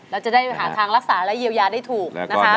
เราจะได้หาทางรักษาและเยียวยาได้ถูกนะคะ